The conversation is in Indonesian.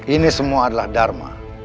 ini semua adalah dharma